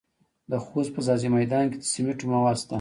د خوست په ځاځي میدان کې د سمنټو مواد شته.